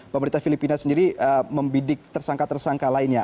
pemerintah filipina sendiri membidik tersangka tersangka lainnya